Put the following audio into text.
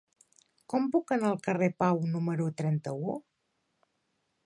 Com puc anar al carrer de Pau número trenta-u?